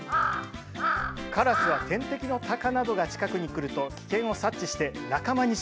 カラスは天敵のタカなどが近くに来ると危険を察知して仲間に知らせます。